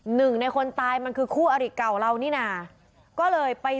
หนึ่งในคนตายมันคือคู่อริเก่าเรานี่น่ะก็เลยไป